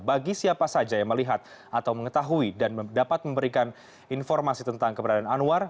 bagi siapa saja yang melihat atau mengetahui dan dapat memberikan informasi tentang keberadaan anwar